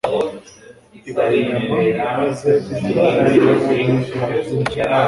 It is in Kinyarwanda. ibaha inyama, maze irabareka barazirya